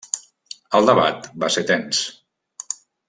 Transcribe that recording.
El debat va ser tens.